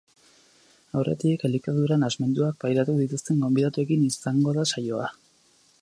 Aurretik, elikadura nahasmenduak pairatu dituzten gonbidatuekin izango da saioa.